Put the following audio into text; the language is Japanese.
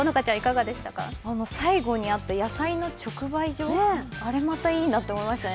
最後にあった野菜の直売所、あれ、またいいなって思いましたね。